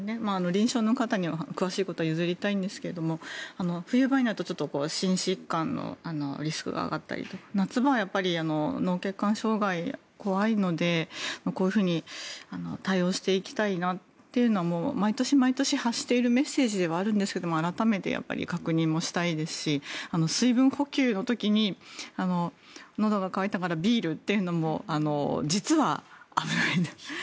臨床の方に詳しいことは譲りたいんですが冬場になると心疾患のリスクが上がったりとか夏場はやっぱり脳血管障害が怖いのでこういうふうに対応していきたいなというのは毎年、毎年発しているメッセージではあるんですが改めて、確認もしたいですし水分補給の時にのどが渇いたからビールというのも実は危ないんだと。